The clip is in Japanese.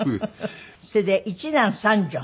それで一男三女。